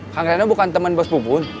kang reno bukan temen bos bubun